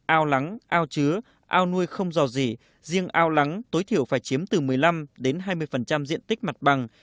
ao lắng ao chứa ao nuôi không dò dỉ riêng ao lắng tối thiểu phải chiếm từ một mươi năm đến hai mươi diện tích mặt bằng